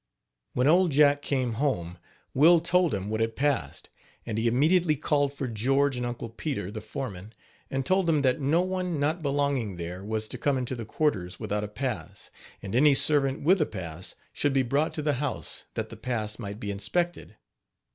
When Old Jack came home, Will told him what had passed; and he immediately called for George and Uncle Peter, the foreman, and told them that no one not belonging there was to come into the quarters without a pass; and any servant with a pass should be brought to the house, that the pass might be inspected.